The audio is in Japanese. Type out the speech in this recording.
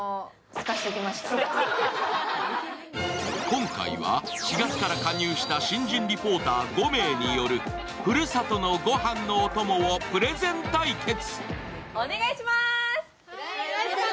今回は４月から加入した新人リポーター５名によるふるさとのごはんのおともをプレゼン対決。